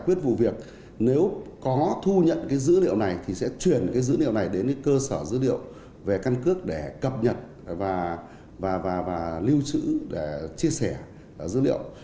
quyết vụ việc nếu có thu nhận dữ liệu này thì sẽ chuyển dữ liệu này đến cơ sở dữ liệu về căn cước để cập nhật và lưu trữ chia sẻ dữ liệu